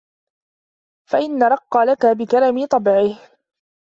فَإِنْ رَقَّ لَك بِكَرَمِ طَبْعِهِ